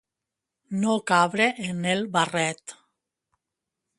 No cabre en el barret.